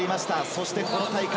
そしてこの大会。